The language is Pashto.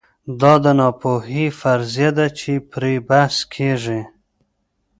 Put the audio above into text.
دا د ناپوهۍ فرضیه ده چې پرې بحث کېږي.